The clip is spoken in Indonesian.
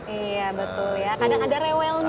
iya betul ya kadang ada rewelnya ya bang ya